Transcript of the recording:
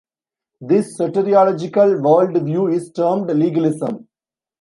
This soteriological worldview is termed legalism.